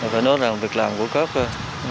phải nói rằng việc làm của các